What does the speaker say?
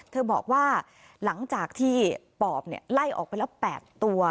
เธอบอกว่าหลังจากที่ปอบเนี่ยไล่ออกไปแล้วแปดตัว